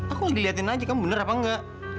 aku lagi liatin aja kamu bener apa enggak